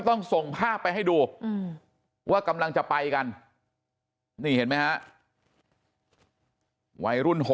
ต้องส่งภาพไปให้ดูว่ากำลังจะไปกันนี่เห็นไหมฮะวัยรุ่น